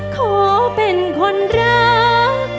ขอเป็นคนรัก